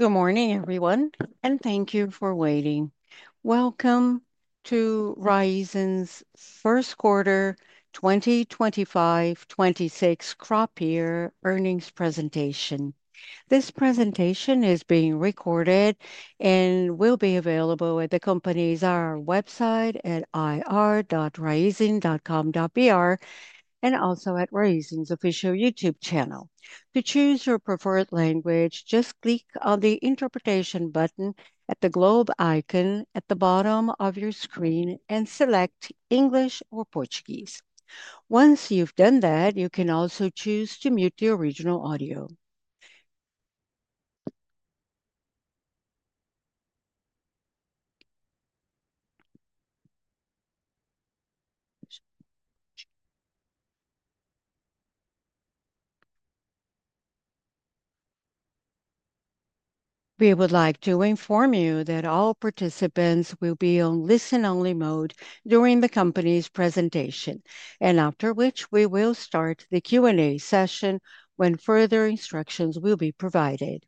Good morning, everyone, and thank you for waiting. Welcome to Raízen's First quarter 2025-2026 Crop Year Earnings Presentation. This presentation is being recorded and will be available at the company's IR website at ir.raizen.com.br and also at Raízen's official YouTube channel. To choose your preferred language, just click on the interpretation button at the globe icon at the bottom of your screen and select English or Portuguese. Once you've done that, you can also choose to mute the original audio. We would like to inform you that all participants will be on listen-only mode during the company's presentation, after which we will start the Q&A session when further instructions will be provided.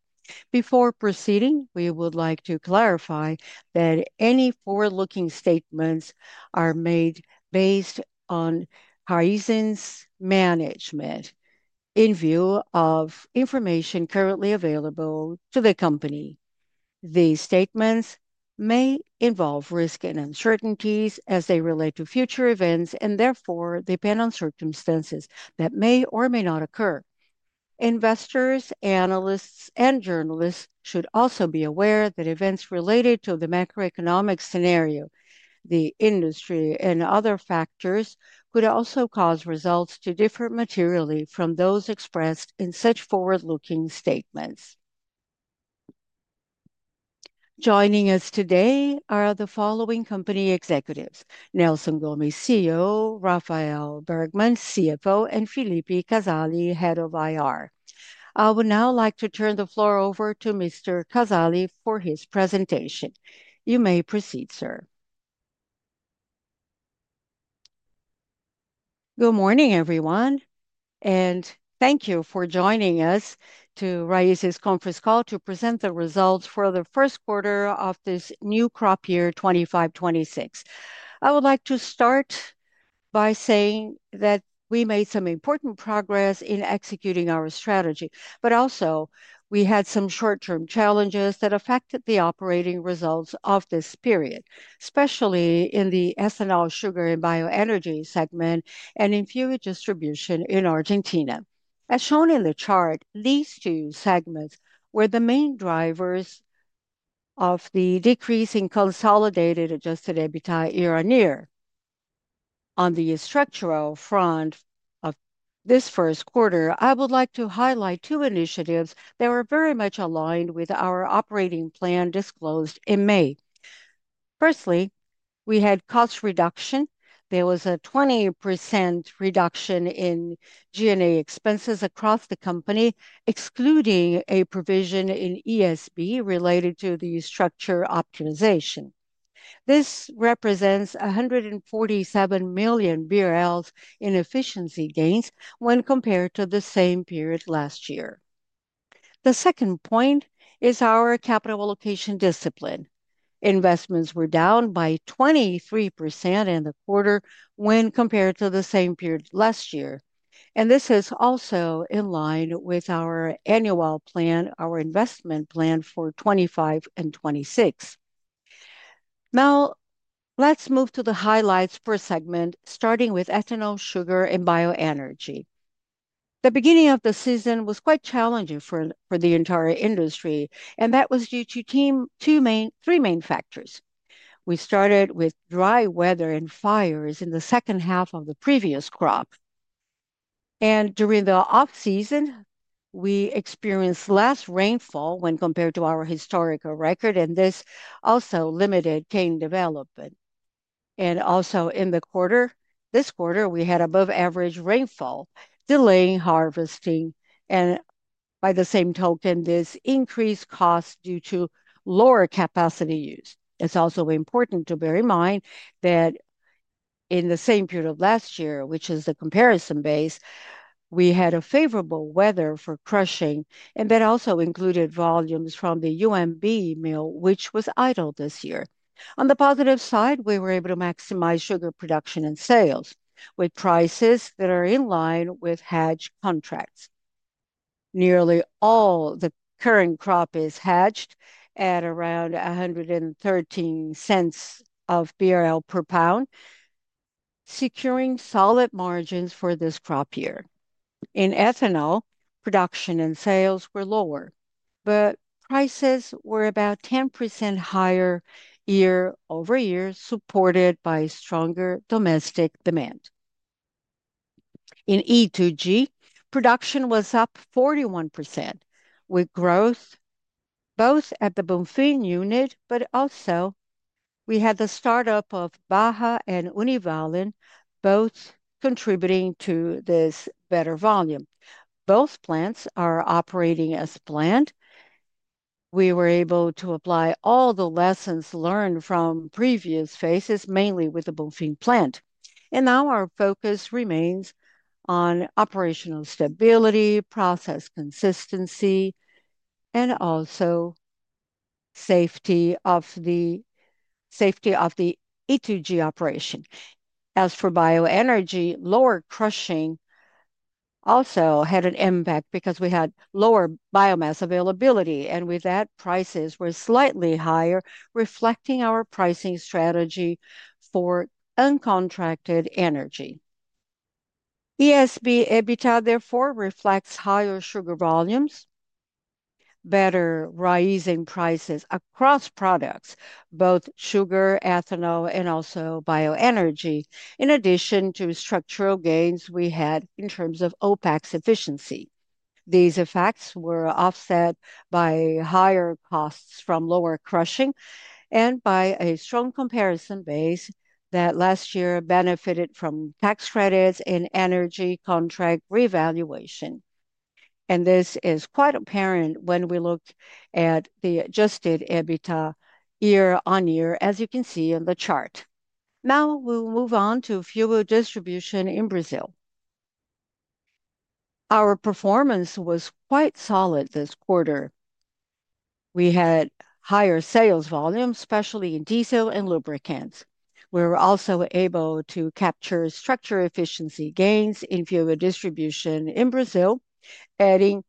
Before proceeding, we would like to clarify that any forward-looking statements are made based on Raízen's management in view of information currently available to the company. These statements may involve risks and uncertainties as they relate to future events and therefore depend on circumstances that may or may not occur. Investors, analysts, and journalists should also be aware that events related to the macroeconomic scenario, the industry, and other factors could also cause results to differ materially from those expressed in such forward-looking statements. Joining us today are the following company executives: Nelson Gomes, CEO; Rafael Bergman, CFO; and Phillipe Casale, Head of IR. I would now like to turn the floor over to Mr. Casale for his presentation. You may proceed, sir. Good morning, everyone, and thank you for joining us to Raízen's conference call to present the results for the first quarter of this new crop year, 2025-2026. I would like to start by saying that we made some important progress in executing our strategy, but also we had some short-term challenges that affected the operating results of this period, especially in the Ethanol, Sugar, and Bioenergy segment and in fuel distribution in Argentina. As shown in the chart, these two segments were the main drivers of the decrease in Consolidated Adjusted EBITDA year-on-year. On the structural front of this first quarter, I would like to highlight two initiatives that were very much aligned with our operating plan disclosed in May. Firstly, we had cost reduction. There was a 20% reduction in G&A expenses across the company, excluding a provision in ESB related to the structure optimization. This represents 147 million BRL in efficiency gains when compared to the same period last year. The second point is our capital allocation discipline. Investments were down by 23% in the quarter when compared to the same period last year, and this is also in line with our annual plan, our investment plan for 2025 and 2026. Now, let's move to the highlights per segment, starting with Ethanol, Sugar, and Bioenergy. The beginning of the season was quite challenging for the entire industry, and that was due to three main factors. We started with dry weather and fires in the second half of the previous crop, and during the off-season, we experienced less rainfall when compared to our historical record, and this also limited cane development. Also in the quarter, we had above-average rainfall delaying harvesting, and by the same token, this increased costs due to lower capacity use. It's also important to bear in mind that in the same period of last year, which is the comparison base, we had favorable weather for crushing, and that also included volumes from the UMB mill, which was idle this year. On the positive side, we were able to maximize sugar production and sales with prices that are in line with hedge contracts. Nearly all the current crop is hedged at around 1.13 BRL per pound, securing solid margins for this crop year. In Ethanol, production and sales were lower, but prices were about 10% higher year-over-year, supported by stronger domestic demand. In E2G, production was up 41% with growth both at the Bonfim unit, but also we had the startup of Univalem and Baía, both contributing to this better volume. Both plants are operating as planned. We were able to apply all the lessons learned from previous phases, mainly with the Bonfim plant, and now our focus remains on operational stability, process consistency, and also safety of the E2G operation. As for bioenergy, lower crushing also had an impact because we had lower biomass availability, and with that, prices were slightly higher, reflecting our pricing strategy for uncontracted energy. ESB EBITDA, therefore, reflects higher sugar volumes, better Raízen prices across products, both Sugar, Ethanol, and also Bioenergy, in addition to structural gains we had in terms of OpEx efficiency. These effects were offset by higher costs from lower crushing and by a strong comparison base that last year benefited from tax credits and energy contract revaluation. This is quite apparent when we look at the adjusted EBITDA year-on-year, as you can see in the chart. Now we'll move on to fuel distribution in Brazil. Our performance was quite solid this quarter. We had higher sales volume, especially in diesel and lubricants. We were also able to capture structure efficiency gains in fuel distribution in Brazil, adding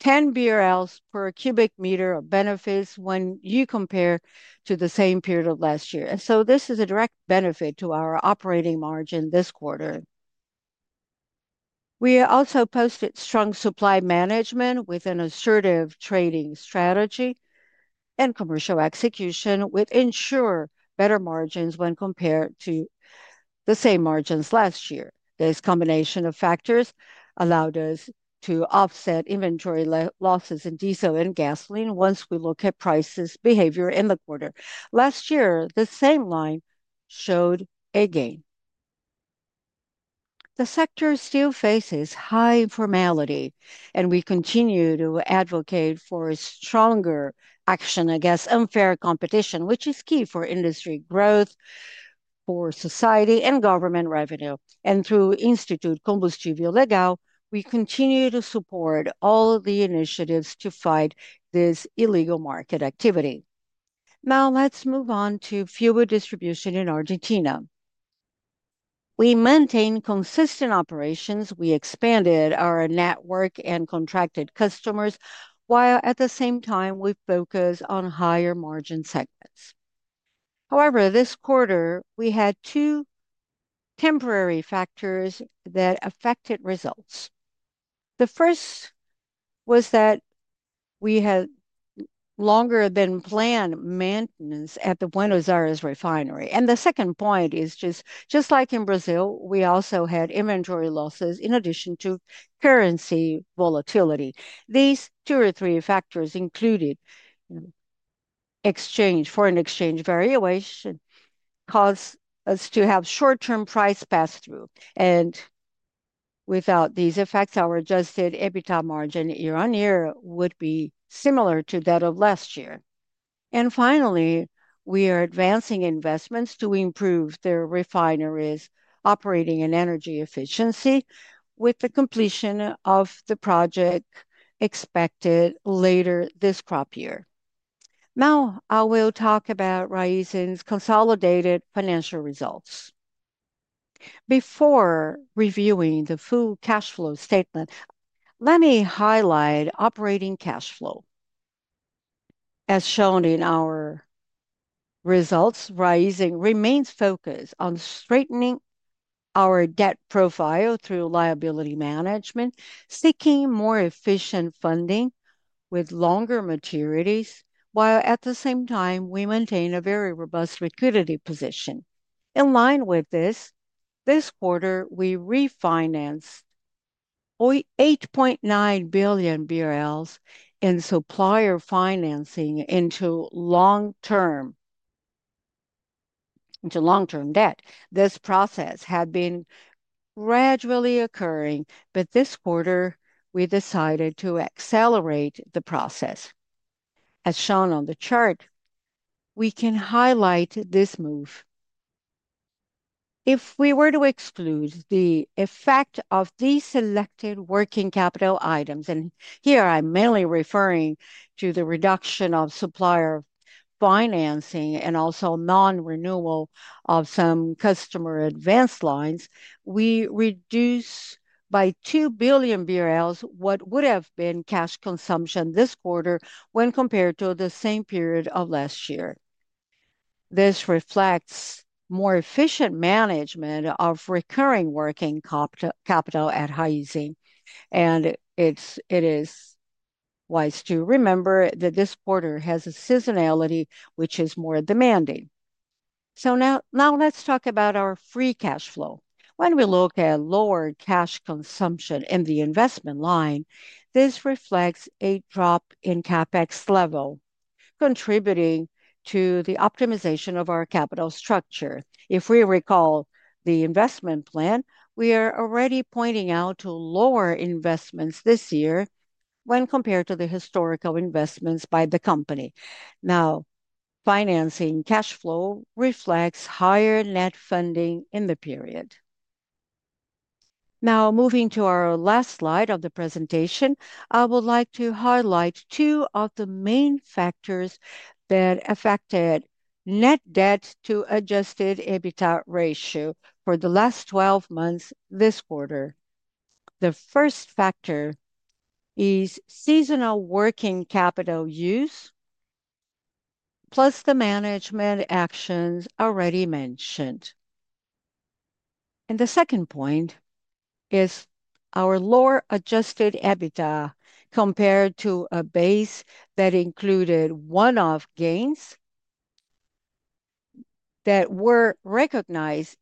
10 BRL per cubic meter of benefits when you compare to the same period of last year. This is a direct benefit to our operating margin this quarter. We also posted strong supply management with an assertive trading strategy and commercial execution, which ensured better margins when compared to the same margins last year. This combination of factors allowed us to offset inventory losses in diesel and gasoline once we look at prices behavior in the quarter. Last year, the same line showed a gain. The sector still faces high informality, and we continue to advocate for stronger action against unfair competition, which is key for industry growth, for society and government revenue. Through the Instituto Combustível Legal, we continue to support all the initiatives to fight this illegal market activity. Now let's move on to fuel distribution in Argentina. We maintain consistent operations. We expanded our network and contracted customers, while at the same time we focused on higher margin segments. However, this quarter we had two temporary factors that affected results. The first was that we had longer than planned maintenance at the Buenos Aires refinery. The second point is just like in Brazil, we also had inventory losses in addition to currency volatility. These two or three factors, including foreign exchange variations, caused us to have short-term price pass-through. Without these effects, our adjusted EBITDA margin year-on-year would be similar to that of last year. Finally, we are advancing investments to improve the refinery's operating and energy efficiency with the completion of the project expected later this crop year. Now I will talk about Raízen's consolidated financial results. Before reviewing the full cash flow statement, let me highlight operating cash flow. As shown in our results, Raízen remains focused on straightening our debt profile through liability management, seeking more efficient funding with longer maturities, while at the same time we maintain a very robust liquidity position. In line with this, this quarter we refinanced 8.9 billion BRL in supplier financing into long-term debt. This process had been gradually occurring, but this quarter we decided to accelerate the process. As shown on the chart, we can highlight this move. If we were to exclude the effect of deselected working capital items, and here I'm mainly referring to the reduction of supplier financing and also non-renewal of some customer advanced lines, we reduced by 2 billion BRL what would have been cash consumption this quarter when compared to the same period of last year. This reflects more efficient management of recurring working capital at Raízen, and it is wise to remember that this quarter has a seasonality which is more demanding. Now let's talk about our free cash flow. When we look at lower cash consumption in the investment line, this reflects a drop in CapEx level, contributing to the optimization of our capital structure. If we recall the investment plan, we are already pointing out to lower investments this year when compared to the historical investments by the company. Financing cash flow reflects higher net funding in the period. Moving to our last slide of the presentation, I would like to highlight two of the main factors that affected net debt to adjusted EBITDA ratio for the last 12 months this quarter. The first factor is seasonal working capital use plus the management actions already mentioned. The second point is our lower adjusted EBITDA compared to a base that included one-off gains that were recognized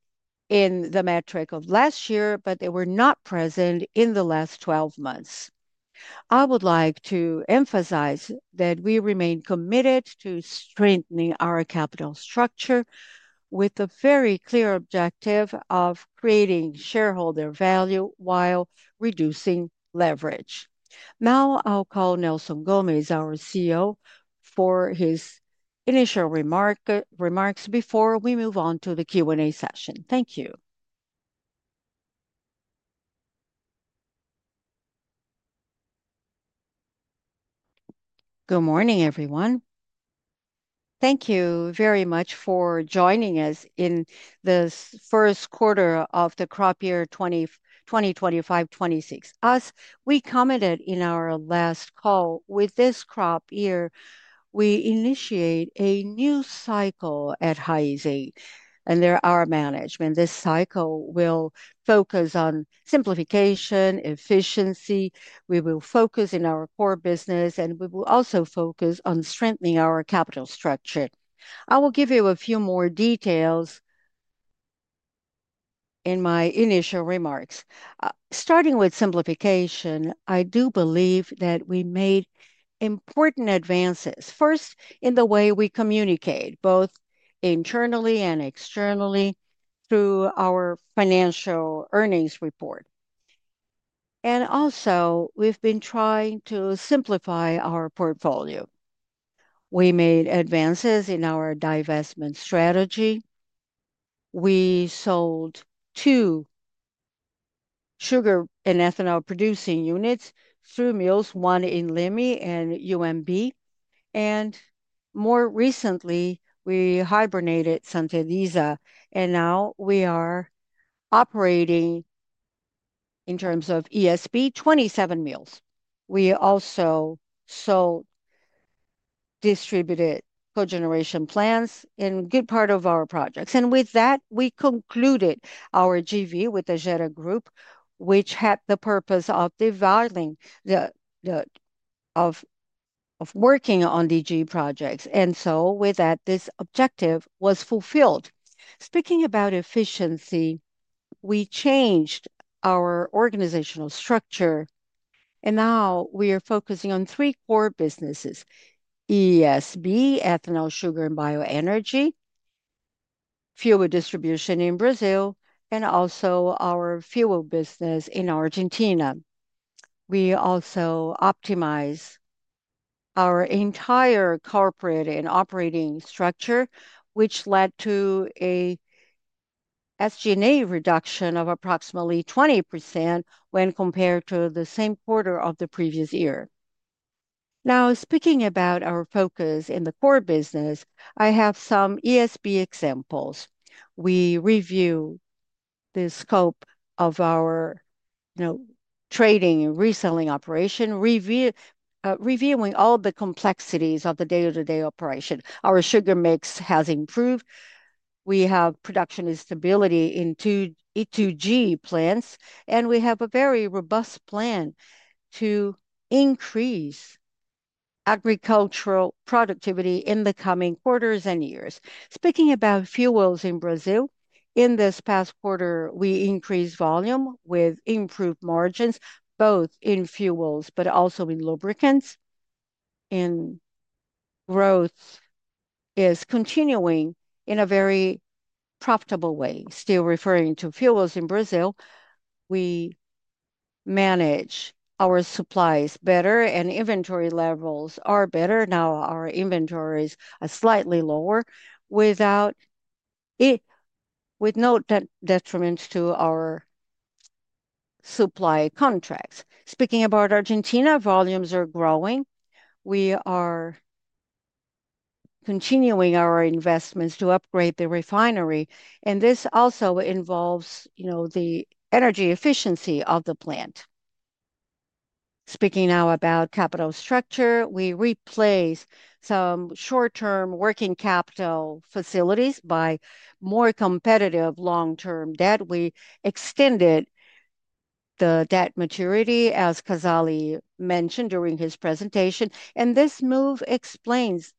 in the metric of last year, but they were not present in the last 12 months. I would like to emphasize that we remain committed to strengthening our capital structure with a very clear objective of creating shareholder value while reducing leverage. Now I'll call Nelson Gomes, our CEO, for his initial remarks before we move on to the Q&A session. Thank you. Good morning, everyone. Thank you very much for joining us in this first quarter of the crop year 2025-2026. As we commented in our last call, with this crop year, we initiate a new cycle at Raízen under our management. This cycle will focus on simplification, efficiency. We will focus on our core business, and we will also focus on strengthening our capital structure. I will give you a few more details in my initial remarks. Starting with simplification, I do believe that we made important advances. First, in the way we communicate, both internally and externally through our financial earnings report. We've been trying to simplify our portfolio. We made advances in our divestment strategy. We sold two sugar and ethanol producing units, two mills, one in Leme and UMB. More recently, we hibernated Santa Luzia, and now we are operating, in terms of ESB, 27 mills. We also sold distributed cogeneration plants in a good part of our projects. With that, we concluded our JV with the Gera Group, which had the purpose of working on the G projects. With that, this objective was fulfilled. Speaking about efficiency, we changed our organizational structure, and now we are focusing on three core businesses: ESB, Ethanol, Sugar, and Bioenergy, fuel distribution in Brazil, and also our fuel business in Argentina. We also optimized our entire corporate and operating structure, which led to an SG&A reduction of approximately 20% when compared to the same quarter of the previous year. Now, speaking about our focus in the core business, I have some ESB examples. We reviewed the scope of our trading and reselling operation, reviewing all the complexities of the day-to-day operation. Our sugar mix has improved. We have production stability in two E2G plants, and we have a very robust plan to increase agricultural productivity in the coming quarters and years. Speaking about fuels in Brazil, in this past quarter, we increased volume with improved margins both in fuels, but also in lubricants, and growth is continuing in a very profitable way. Still referring to fuels in Brazil, we manage our supplies better, and inventory levels are better. Now our inventories are slightly lower with no detriment to our supply contracts. Speaking about Argentina, volumes are growing. We are continuing our investments to upgrade the refinery, and this also involves the energy efficiency of the plant. Speaking now about capital structure, we replaced some short-term working capital facilities by more competitive long-term debt. We extended the debt maturity, as Casale mentioned during his presentation, and this move explains a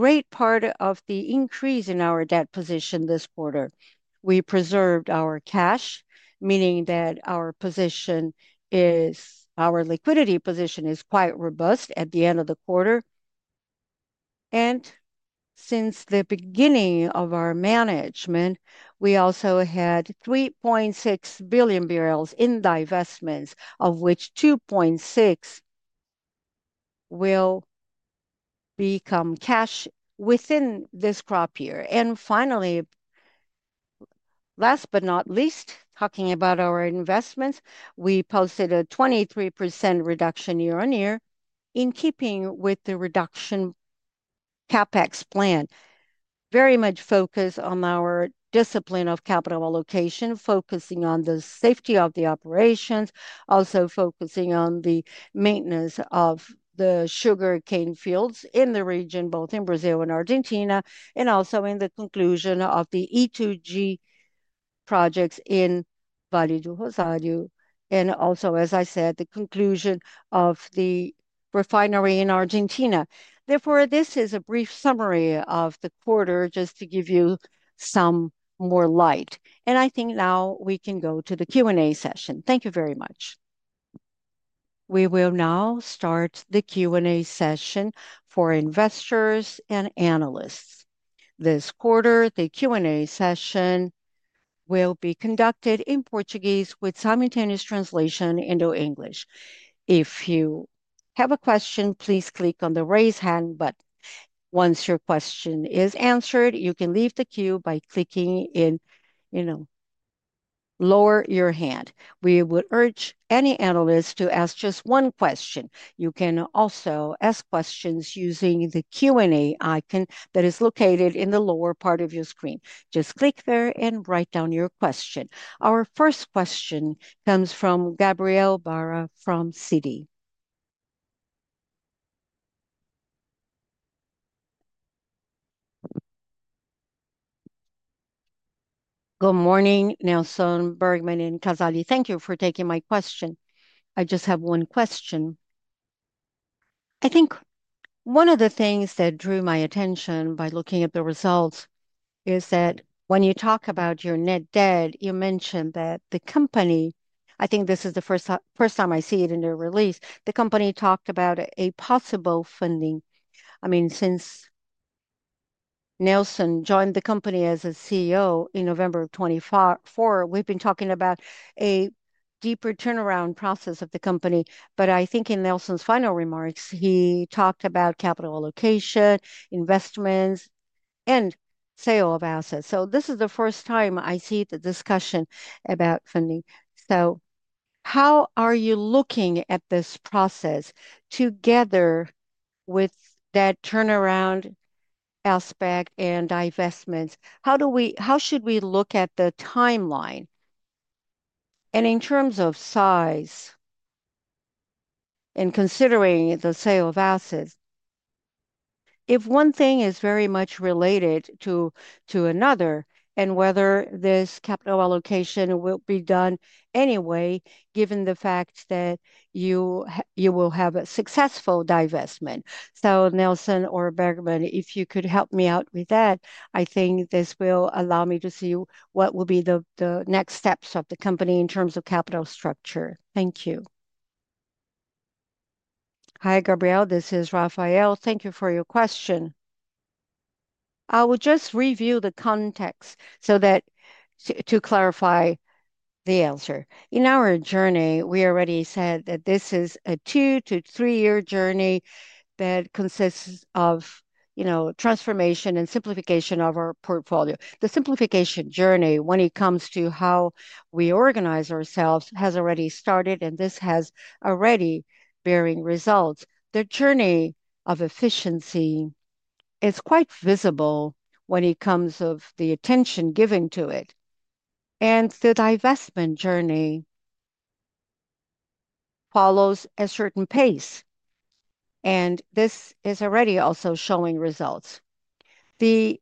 great part of the increase in our debt position this quarter. We preserved our cash, meaning that our liquidity position is quite robust at the end of the quarter. Since the beginning of our management, we also had 3.6 billion in divestments, of which 2.6 billion will become cash within this crop year. Finally, last but not least, talking about our investments, we posted a 23% reduction year-on-year in keeping with the reduction CapEx plan. Very much focused on our discipline of capital allocation, focusing on the safety of the operations, also focusing on the maintenance of the sugar cane fields in the region, both in Brazil and Argentina, and also in the conclusion of the E2G projects in Vale do Rosario, and also, as I said, the conclusion of the refinery in Argentina. Therefore, this is a brief summary of the quarter just to give you some more light. I think now we can go to the Q&A session. Thank you very much. We will now start the Q&A session for investors and analysts. This quarter, the Q&A session will be conducted in Portuguese with simultaneous translation into English. If you have a question, please click on the raise hand button. Once your question is answered, you can leave the queue by clicking in, you know, lower your hand. We would urge any analyst to ask just one question. You can also ask questions using the Q&A icon that is located in the lower part of your screen. Just click there and write down your question. Our first question comes from Gabriel Barra from Citi. Good morning, Nelson, Bergman, and Casale. Thank you for taking my question. I just have one question. I think one of the things that drew my attention by looking at the results is that when you talk about your net debt, you mentioned that the company, I think this is the first time I see it in a release, the company talked about a possible funding. I mean, since Nelson joined the company as CEO in November of 2024, we've been talking about a deeper turnaround process of the company. I think in Nelson's final remarks, he talked about capital allocation, investments, and sale of assets. This is the first time I see the discussion about funding. How are you looking at this process together with that turnaround aspect and divestments? How should we look at the timeline? In terms of size and considering the sale of assets, if one thing is very much related to another and whether this capital allocation will be done anyway, given the fact that you will have a successful divestment. Nelson or Bergman, if you could help me out with that, I think this will allow me to see what will be the next steps of the company in terms of capital structure. Thank you. Hi, Gabriel. This is Rafael. Thank you for your question. I will just review the context to clarify the answer. In our journey, we already said that this is a two to three-year journey that consists of transformation and simplification of our portfolio. The simplification journey, when it comes to how we organize ourselves, has already started, and this has already borne results. The journey of efficiency is quite visible when it comes to the attention given to it. The divestment journey follows a certain pace, and this is already also showing results. The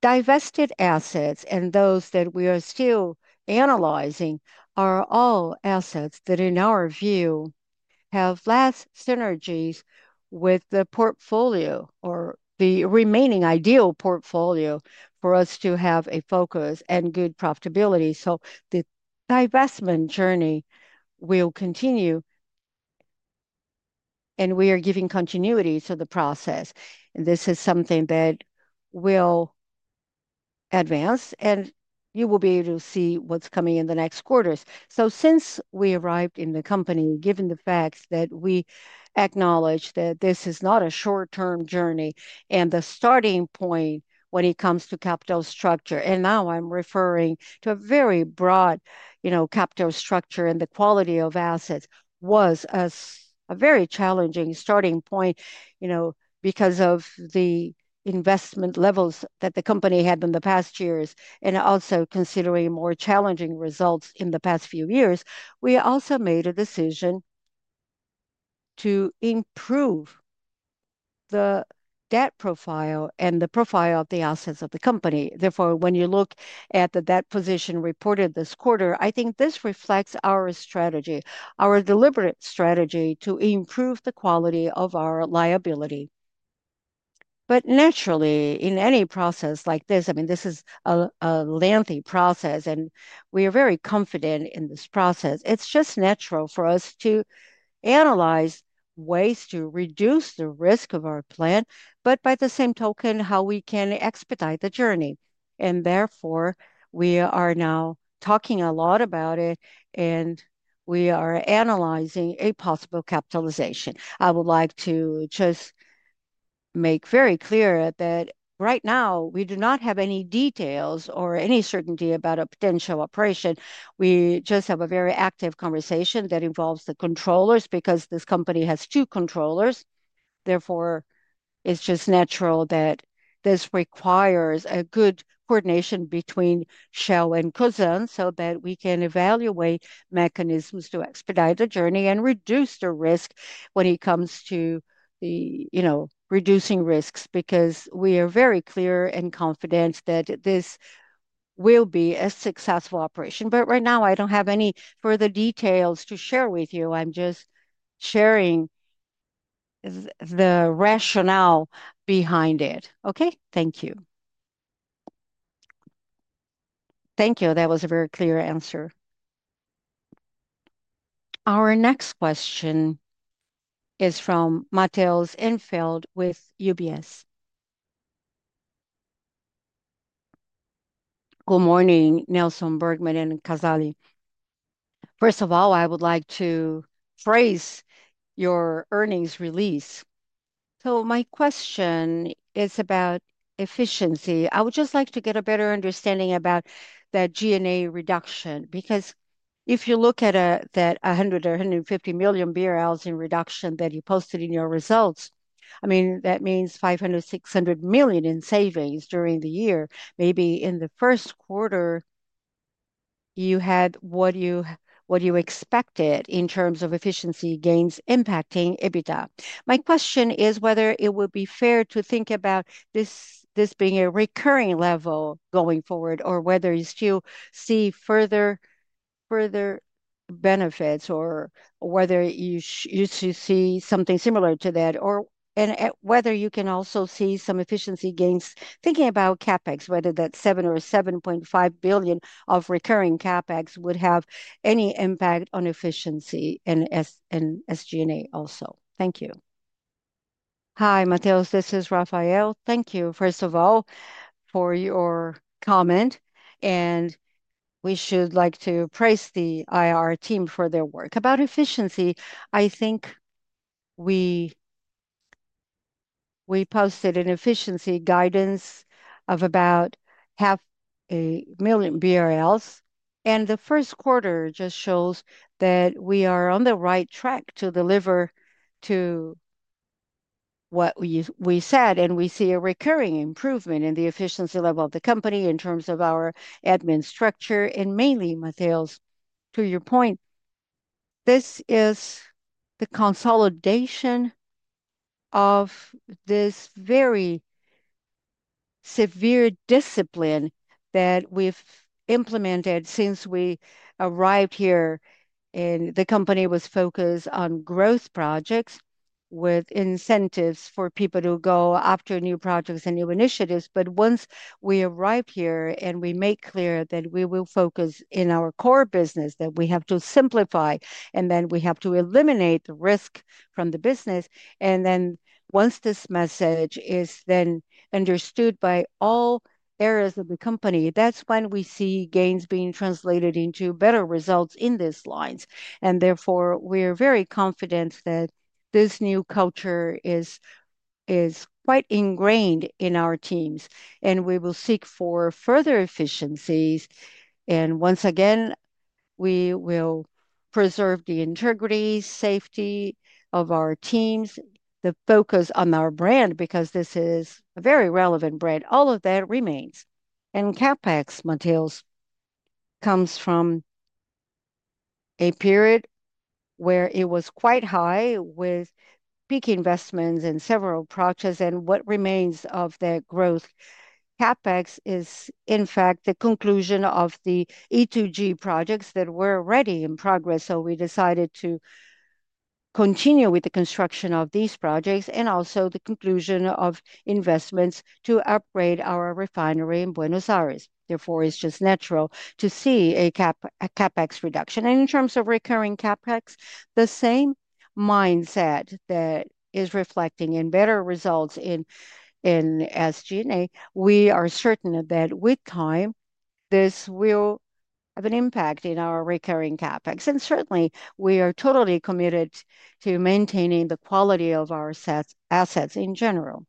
divested assets and those that we are still analyzing are all assets that, in our view, have less synergies with the portfolio or the remaining ideal portfolio for us to have a focus and good profitability. The divestment journey will continue, and we are giving continuity to the process. This is something that will advance, and you will be able to see what's coming in the next quarters. Since we arrived in the company, given the fact that we acknowledge that this is not a short-term journey and the starting point when it comes to capital structure, and now I'm referring to a very broad, you know, capital structure and the quality of assets, was a very challenging starting point because of the investment levels that the company had in the past years. Also, considering more challenging results in the past few years, we made a decision to improve the debt profile and the profile of the assets of the company. Therefore, when you look at the debt position reported this quarter, I think this reflects our strategy, our deliberate strategy to improve the quality of our liability. Naturally, in any process like this, I mean, this is a lengthy process, and we are very confident in this process. It's just natural for us to analyze ways to reduce the risk of our plan, but by the same token, how we can expedite the journey. Therefore, we are now talking a lot about it, and we are analyzing a possible capitalization. I would like to just make very clear that right now we do not have any details or any certainty about a potential operation. We just have a very active conversation that involves the controllers because this company has two controllers. Therefore, it's just natural that this requires a good coordination between Shell and Cosan so that we can evaluate mechanisms to expedite the journey and reduce the risk when it comes to reducing risks because we are very clear and confident that this will be a successful operation. Right now, I don't have any further details to share with you. I'm just sharing the rationale behind it. Okay. Thank you. Thank you. That was a very clear answer. Our next question is from Matheus Enfeldt with UBS. Good morning, Nelson, Bergman, and Casale. First of all, I would like to praise your earnings release. My question is about efficiency. I would just like to get a better understanding about that G&A reduction because if you look at that 100 million or 150 million in reduction that you posted in your results, that means 500 million, 600 million in savings during the year. Maybe in the first quarter, you had what you expected in terms of efficiency gains impacting EBITDA. My question is whether it would be fair to think about this being a recurring level going forward or whether you still see further benefits or whether you should see something similar to that and whether you can also see some efficiency gains thinking about CapEx, whether that 7 billion or 7.5 billion of recurring CapEx would have any impact on efficiency and SG&A also. Thank you. Hi, Matheus. This is Rafael. Thank you, first of all, for your comment. We should like to praise the IR team for their work. About efficiency, I think we posted an efficiency guidance of about 500,000 BRL, and the first quarter just shows that we are on the right track to deliver to what we said, and we see a recurring improvement in the efficiency level of the company in terms of our admin structure. Mainly, Matheus, to your point, this is the consolidation of this very severe discipline that we've implemented since we arrived here. The company was focused on growth projects with incentives for people to go after new projects and new initiatives. Once we arrived here and we made clear that we will focus in our core business, that we have to simplify, and that we have to eliminate the risk from the business, once this message is then understood by all areas of the company, that's when we see gains being translated into better results in these lines. Therefore, we are very confident that this new culture is quite ingrained in our teams, and we will seek further efficiencies. Once again, we will preserve the integrity, safety of our teams, the focus on our brand because this is a very relevant brand. All of that remains. CapEx, Matheus, comes from a period where it was quite high with peak investments in several projects and what remains of that growth. CapEx is, in fact, the conclusion of the E2G projects that were already in progress. We decided to continue with the construction of these projects and also the conclusion of investments to upgrade our refinery in Buenos Aires. Therefore, it's just natural to see a CapEx reduction. In terms of recurring CapEx, the same mindset that is reflecting in better results in SG&A, we are certain that with time, this will have an impact in our recurring CapEx. Certainly, we are totally committed to maintaining the quality of our assets in general.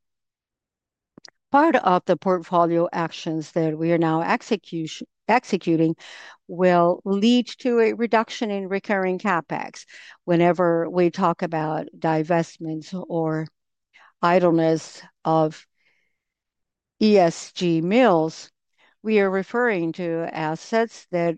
Part of the portfolio actions that we are now executing will lead to a reduction in recurring CapEx. Whenever we talk about divestments or idleness of ESB mills, we are referring to assets that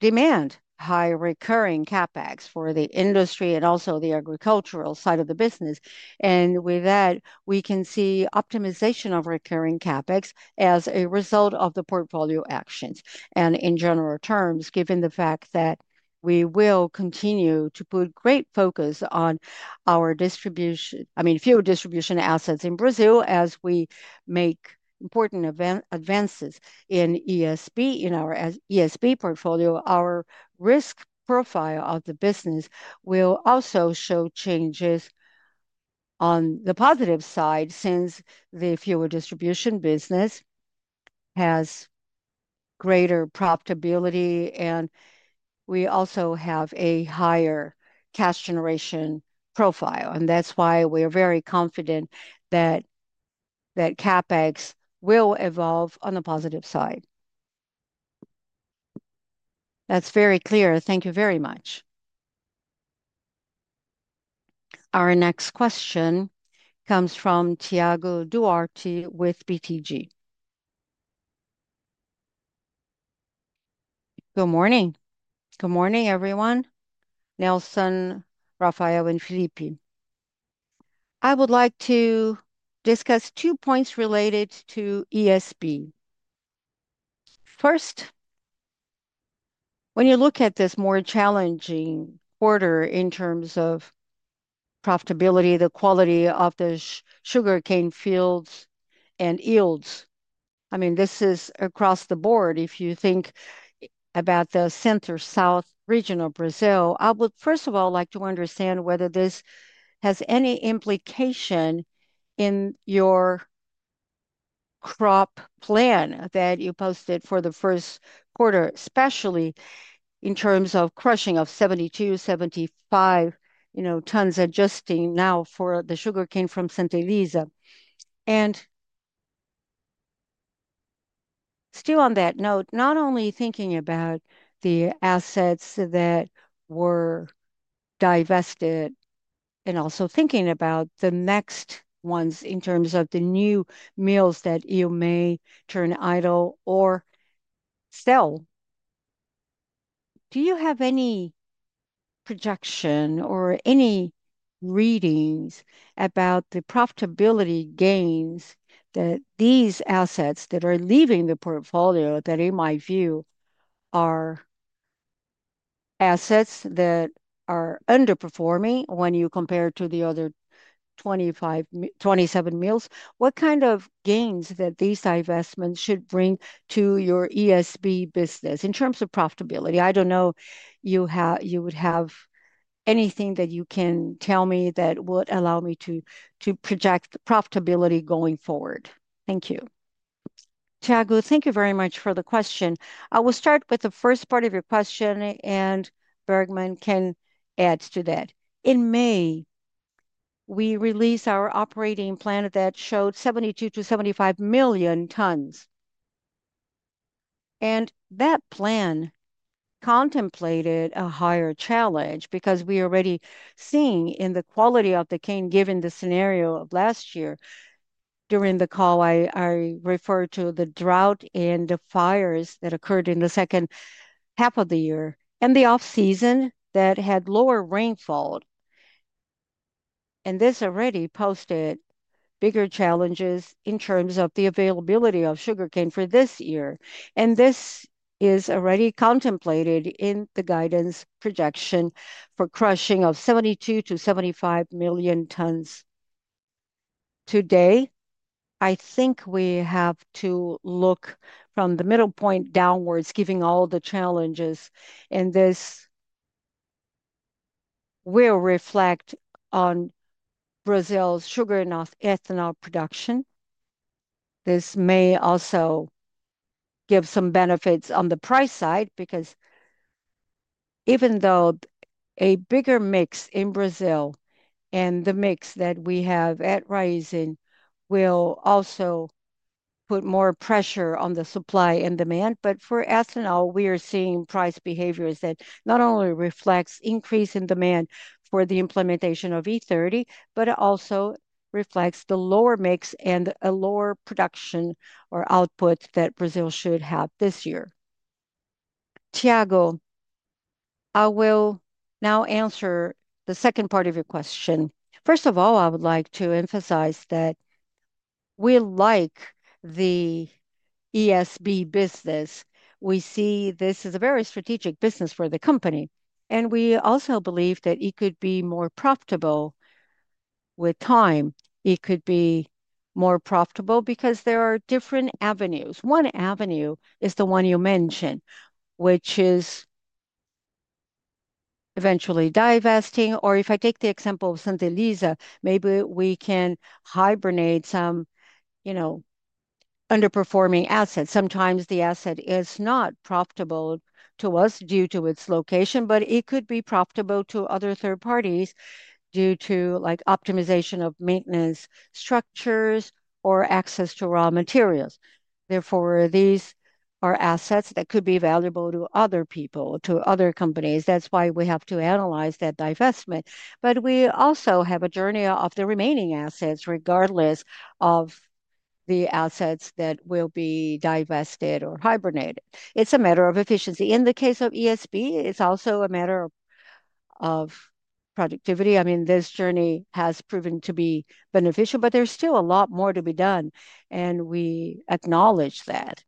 demand high recurring CapEx for the industry and also the agricultural side of the business. With that, we can see optimization of recurring CapEx as a result of the portfolio actions. In general terms, given the fact that we will continue to put great focus on our distribution, I mean, fuel distribution assets in Brazil, as we make important advances in ESB in our ESB portfolio, our risk profile of the business will also show changes on the positive side since the fuel distribution business has greater profitability, and we also have a higher cash generation profile. That is why we are very confident that that CapEx will evolve on the positive side. That is very clear. Thank you very much. Our next question comes from Thiago Duarte with BTG. Good morning. Good morning, everyone. Nelson, Rafael, and Felipe. I would like to discuss two points related to ESB. First, when you look at this more challenging quarter in terms of profitability, the quality of the sugarcane fields and yields, I mean, this is across the board. If you think about the center-south region of Brazil, I would, first of all, like to understand whether this has any implication in your crop plan that you posted for the first quarter, especially in terms of crushing of 72 tons, 75 tons adjusting now for the sugarcane from Santa Luzia. Still on that note, not only thinking about the assets that were divested and also thinking about the next ones in terms of the new mills that you may turn idle or sell. Do you have any projection or any readings about the profitability gains that these assets that are leaving the portfolio, that in my view are assets that are underperforming when you compare to the other 27 mills? What kind of gains that these divestments should bring to your ESB business in terms of profitability? I do not know if you would have anything that you can tell me that would allow me to project profitability going forward. Thank you. Thiago, thank you very much for the question. I will start with the first part of your question, and Bergman can add to that. In May, we released our operating plan that showed 72 million tons-75 million tons. That plan contemplated a higher challenge because we are already seeing in the quality of the cane, given the scenario of last year. During the call, I referred to the drought and the fires that occurred in the second half of the year and the off-season that had lower rainfall. This already posted bigger challenges in terms of the availability of sugar cane for this year. This is already contemplated in the guidance projection for crushing of 72 million tons-75 million tons today. I think we have to look from the middle point downwards, given all the challenges, and this will reflect on Brazil's sugar and ethanol production. This may also give some benefits on the price side because even though a bigger mix in Brazil and the mix that we have at Raízen will also put more pressure on the supply and demand, for ethanol, we are seeing price behaviors that not only reflect an increase in demand for the implementation of E30, but it also reflects the lower mix and a lower production or output that Brazil should have this year. Thiago, I will now answer the second part of your question. First of all, I would like to emphasize that we like the ESB business. We see this as a very strategic business for the company, and we also believe that it could be more profitable with time. It could be more profitable because there are different avenues. One avenue is the one you mentioned, which is eventually divesting, or if I take the example of Santa Luzia, maybe we can hibernate some, you know, underperforming assets. Sometimes the asset is not profitable to us due to its location, but it could be profitable to other third parties due to, like, optimization of maintenance structures or access to raw materials. Therefore, these are assets that could be valuable to other people, to other companies. That's why we have to analyze that divestment. We also have a journey of the remaining assets, regardless of the assets that will be divested or hibernated. It's a matter of efficiency. In the case of ESB, it's also a matter of productivity. I mean, this journey has proven to be beneficial, but there's still a lot more to be done, and we acknowledge that.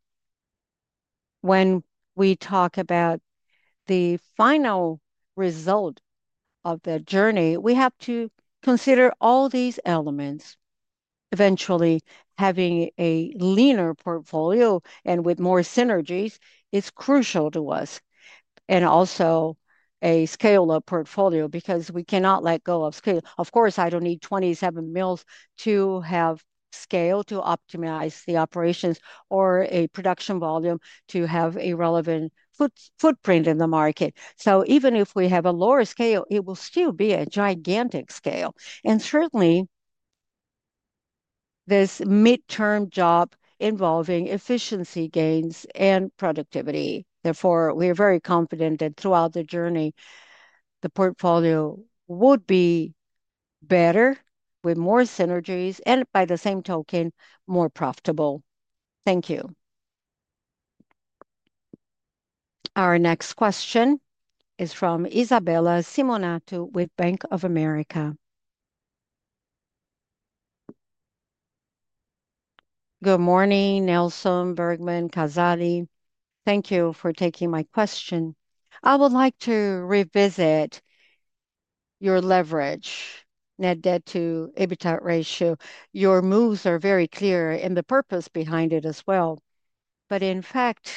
When we talk about the final result of that journey, we have to consider all these elements. Eventually, having a leaner portfolio and with more synergies is crucial to us, and also a scalable portfolio because we cannot let go of scale. Of course, I don't need 27 mills to have scale to optimize the operations or a production volume to have a relevant footprint in the market. Even if we have a lower scale, it will still be a gigantic scale. Certainly, this midterm job involves efficiency gains and productivity. Therefore, we are very confident that throughout the journey, the portfolio would be better with more synergies and, by the same token, more profitable. Thank you. Our next question is from Isabella Simonato with Bank of America. Good morning, Nelson, Bergman, Casale. Thank you for taking my question. I would like to revisit your leverage, net debt to EBITDA ratio. Your moves are very clear and the purpose behind it as well. In fact,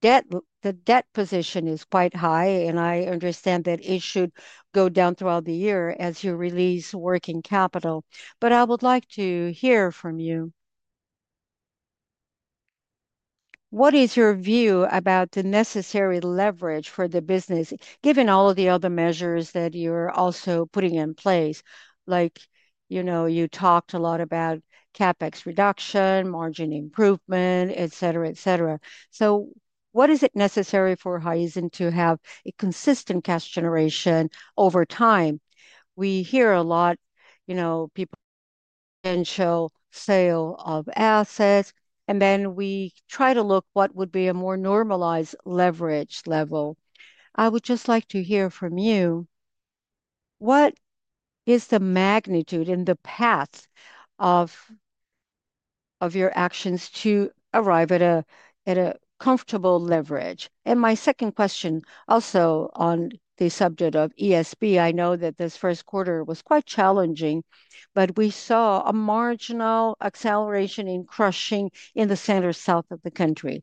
the debt position is quite high, and I understand that it should go down throughout the year as you release working capital. I would like to hear from you. What is your view about the necessary leverage for the business, given all of the other measures that you're also putting in place? You talked a lot about CapEx reduction, margin improvement, etc., etc. What is it necessary for Raízen to have a consistent cash generation over time? We hear a lot, people potential sale of assets, and then we try to look at what would be a more normalized leverage level. I would just like to hear from you. What is the magnitude and the path of your actions to arrive at a comfortable leverage? My second question, also on the subject of ESB, I know that this first quarter was quite challenging, but we saw a marginal acceleration in crushing in the center-south of the country.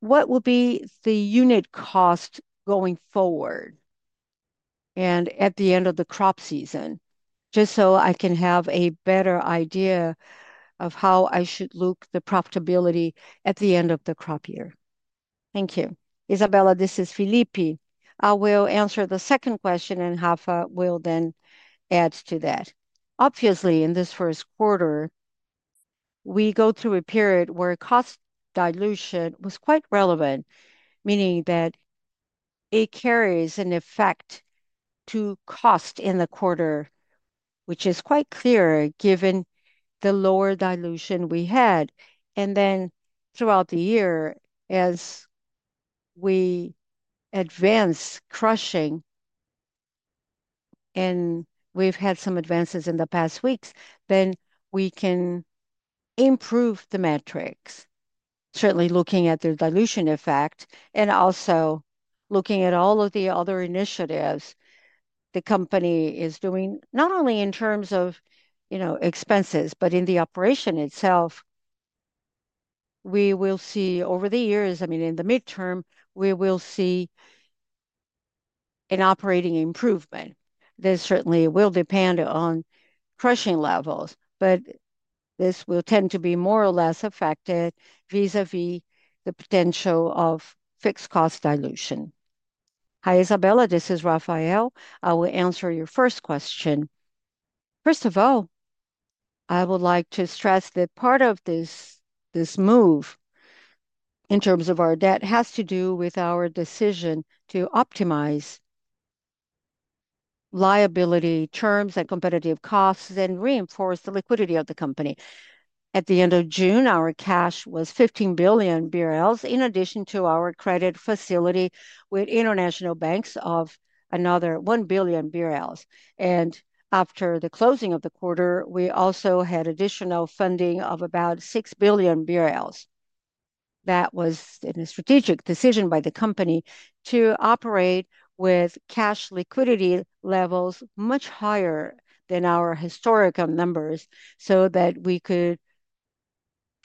What will be the unit cost going forward and at the end of the crop season, just so I can have a better idea of how I should look at the profitability at the end of the crop year? Thank you. Isabella, this is Phillipe. I will answer the second question, and Rafael will then add to that. Obviously, in this first quarter, we go through a period where cost dilution was quite relevant, meaning that it carries an effect to cost in the quarter, which is quite clear given the lower dilution we had. Throughout the year, as we advance crushing, and we've had some advances in the past weeks, we can improve the metrics, certainly looking at their dilution effect and also looking at all of the other initiatives the company is doing, not only in terms of expenses, but in the operation itself. We will see over the years, in the midterm, we will see an operating improvement. This certainly will depend on crushing levels, but this will tend to be more or less affected vis-à-vis the potential of fixed cost dilution. Hi, Isabella. This is Rafael. I will answer your first question. First of all, I would like to stress that part of this move in terms of our debt has to do with our decision to optimize liability terms and competitive costs and reinforce the liquidity of the company. At the end of June, our cash was 15 billion BRL in addition to our credit facility with international banks of another 1 billion BRL. After the closing of the quarter, we also had additional funding of about 6 billion BRL. That was a strategic decision by the company to operate with cash liquidity levels much higher than our historical numbers so that we could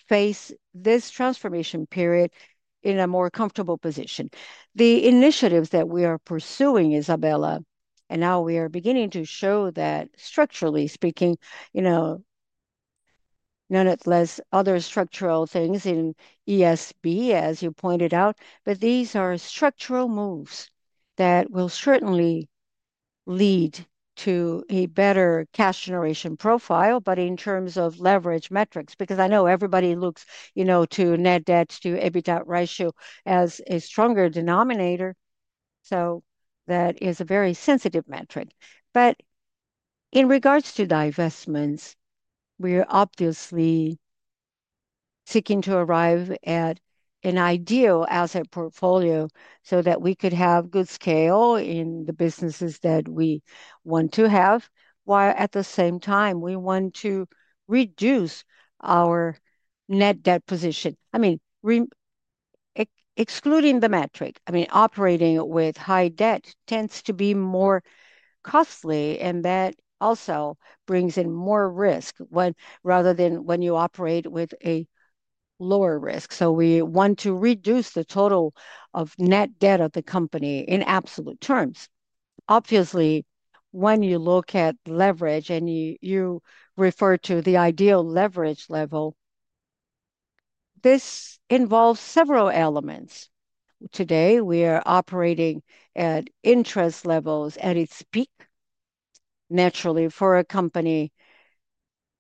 face this transformation period in a more comfortable position. The initiatives that we are pursuing, Isabella, are now beginning to show that, structurally speaking, none of the other structural things in ESB, as you pointed out, but these are structural moves that will certainly lead to a better cash generation profile. In terms of leverage metrics, because I know everybody looks to net debt to EBITDA ratio as a stronger denominator, that is a very sensitive metric. In regards to divestments, we are obviously seeking to arrive at an ideal asset portfolio so that we could have good scale in the businesses that we want to have, while at the same time, we want to reduce our net debt position. Excluding the metric, operating with high debt tends to be more costly, and that also brings in more risk rather than when you operate with a lower risk. We want to reduce the total of net debt of the company in absolute terms. Obviously, when you look at leverage and you refer to the ideal leverage level, this involves several elements. Today, we are operating at interest levels at its peak. Naturally, for a company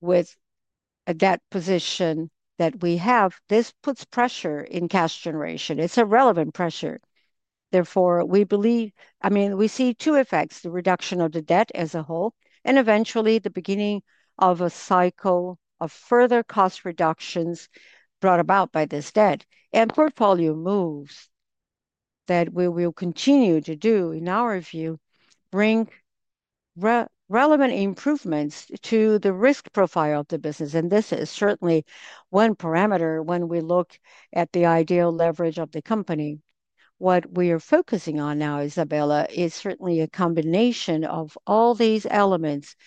with a debt position that we have, this puts pressure in cash generation. It's a relevant pressure. Therefore, we believe we see two effects: the reduction of the debt as a whole and eventually the beginning of a cycle of further cost reductions brought about by this debt. Portfolio moves that we will continue to do, in our view, bring relevant improvements to the risk profile of the business. This is certainly one parameter when we look at the ideal leverage of the company. What we are focusing on now, Isabella, is certainly a combination of all these elements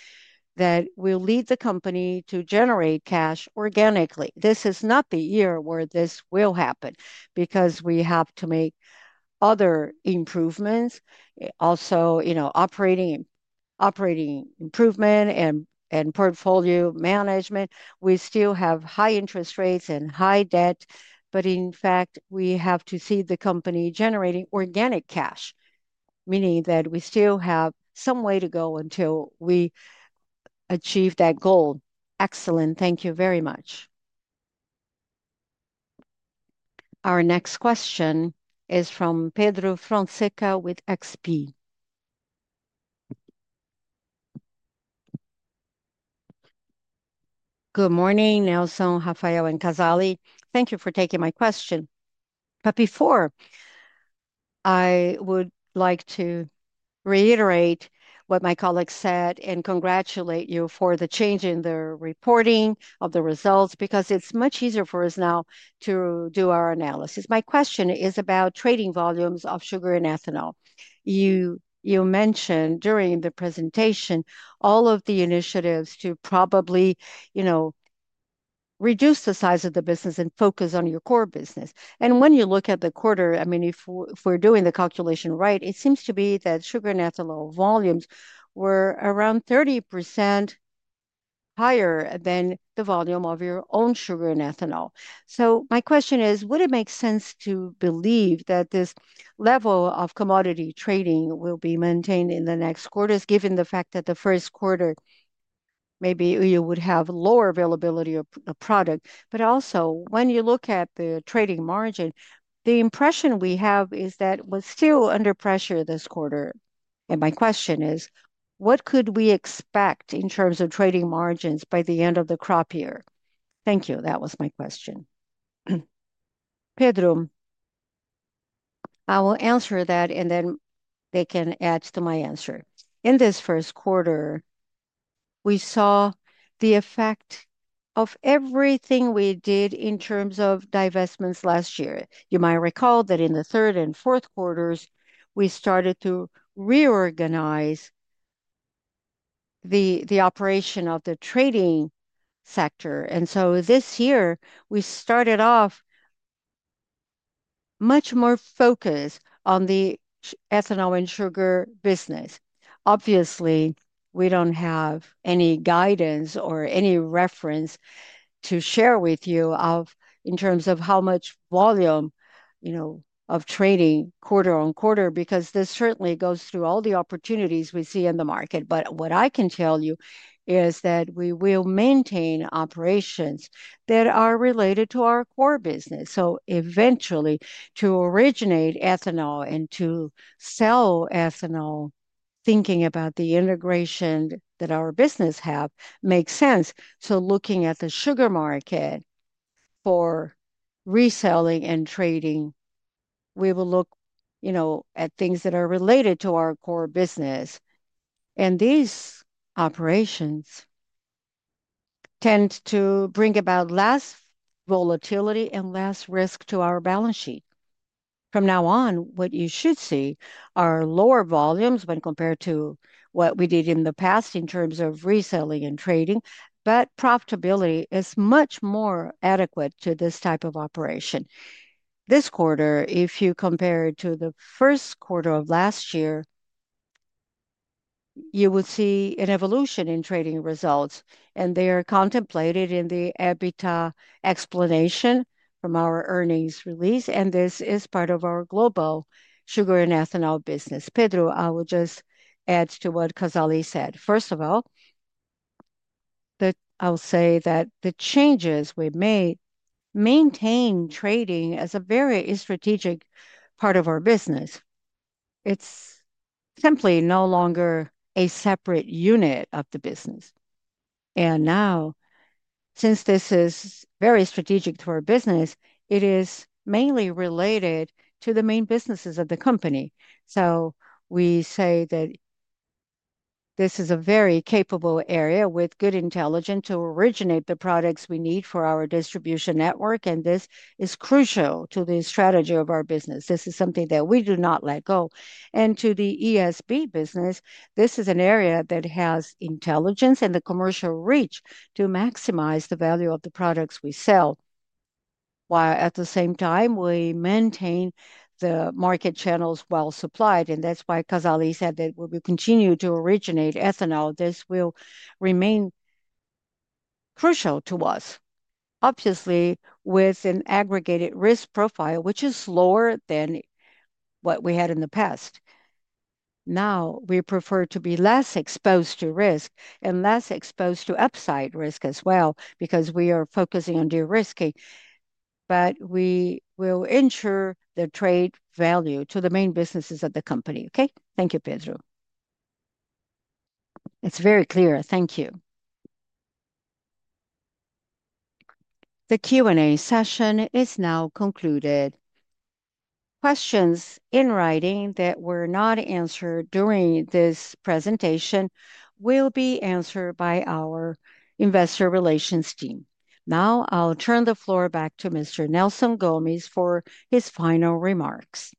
that will lead the company to generate cash organically. This is not the year where this will happen because we have to make other improvements. Also, you know, operating improvement and portfolio management, we still have high interest rates and high debt, but in fact, we have to see the company generating organic cash, meaning that we still have some way to go until we achieve that goal. Excellent. Thank you very much. Our next question is from Pedro Fonseca with XP. Good morning, Nelson, Rafael, and Casale. Thank you for taking my question. Before, I would like to reiterate what my colleagues said and congratulate you for the change in the reporting of the results because it's much easier for us now to do our analysis. My question is about trading volumes of sugar and ethanol. You mentioned during the presentation all of the initiatives to probably, you know, reduce the size of the business and focus on your core business. When you look at the quarter, I mean, if we're doing the calculation right, it seems to be that sugar and ethanol volumes were around 30% higher than the volume of your own sugar and ethanol. My question is, would it make sense to believe that this level of commodity trading will be maintained in the next quarters, given the fact that the first quarter maybe you would have lower availability of product? Also, when you look at the trading margin, the impression we have is that we're still under pressure this quarter. My question is, what could we expect in terms of trading margins by the end of the crop year? Thank you. That was my question. Pedro, I will answer that, and then they can add to my answer. In this first quarter, we saw the effect of everything we did in terms of divestments last year. You might recall that in the third and fourth quarters, we started to reorganize the operation of the trading sector. This year, we started off much more focused on the ethanol and sugar business. Obviously, we don't have any guidance or any reference to share with you in terms of how much volume, you know, of trading quarter-on-quarter because this certainly goes through all the opportunities we see in the market. What I can tell you is that we will maintain operations that are related to our core business. Eventually, to originate ethanol and to sell ethanol, thinking about the integration that our businesses have makes sense. Looking at the sugar market for reselling and trading, we will look, you know, at things that are related to our core business. These operations tend to bring about less volatility and less risk to our balance sheet. From now on, what you should see are lower volumes when compared to what we did in the past in terms of reselling and trading, but profitability is much more adequate to this type of operation. This quarter, if you compare it to the first quarter of last year, you would see an evolution in trading results, and they are contemplated in the EBITDA explanation from our earnings release. This is part of our global Sugar and ethanol business. Pedro, I will just add to what Casale said. First of all, I will say that the changes we made maintain trading as a very strategic part of our business. It is simply no longer a separate unit of the business. Now, since this is very strategic to our business, it is mainly related to the main businesses of the company. We say that this is a very capable area with good intelligence to originate the products we need for our distribution network, and this is crucial to the strategy of our business. This is something that we do not let go. To the ESB business, this is an area that has intelligence and the commercial reach to maximize the value of the products we sell, while at the same time, we maintain the market channels well supplied. That is why Casale said that when we continue to originate ethanol, this will remain crucial to us. Obviously, with an aggregated risk profile, which is lower than what we had in the past, now we prefer to be less exposed to risk and less exposed to upside risk as well because we are focusing on de-risking. We will ensure the trade valueto the main businesses of the company. Thank you, Pedro. It is very clear. Thank you. The Q&A session is now concluded. Questions in writing that were not answered during this presentation will be answered by our investor relations team. Now, I will turn the floor back to Mr. Nelson Gomes for his final remarks.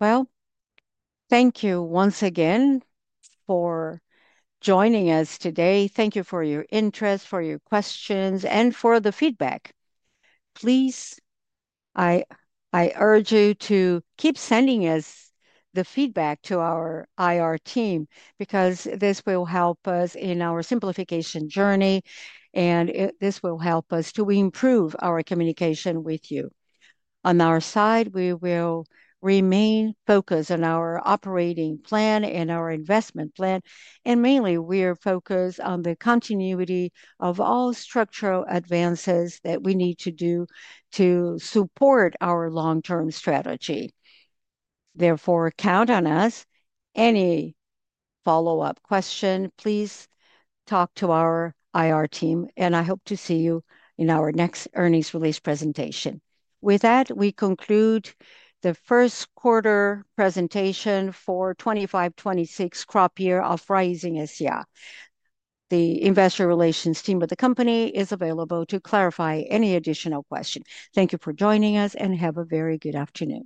Thank you once again for joining us today. Thank you for your interest, for your questions, and for the feedback. Please, I urge you to keep sending us the feedback to our IR team because this will help us in our simplification journey, and this will help us to improve our communication with you. On our side, we will remain focused on our operating plan and our investment plan. Mainly, we are focused on the continuity of all structural advances that we need to do to support our long-term strategy. Therefore, count on us. Any follow-up question, please talk to our IR team, and I hope to see you in our next earnings release presentation. With that, we conclude the first quarter presentation for the 2025-2026 crop year of Raízen S.A. The Investor Relations team of the company is available to clarify any additional questions. Thank you for joining us, and have a very good afternoon.